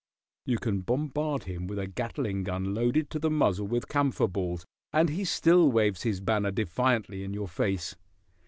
You can bombard him with a gatling gun loaded to the muzzle with camphor balls, and he still waves his banner defiantly in your face.